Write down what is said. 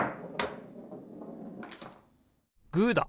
グーだ！